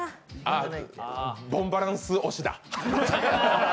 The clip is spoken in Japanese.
あ、「ボンバランス」押しだ。